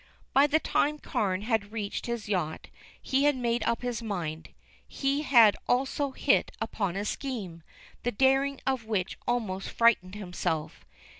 By the time Carne had reached his yacht he had made up his mind. He had also hit upon a scheme, the daring of which almost frightened himself.